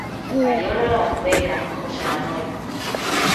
Baiolo Lavandeira, José Samuel.